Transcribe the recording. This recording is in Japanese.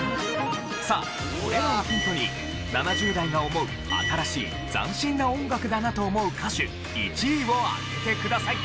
さあこれらをヒントに７０代が思う新しい斬新な音楽だなと思う歌手１位を当ててください。